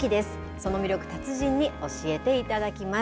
その魅力、達人に教えていただきます。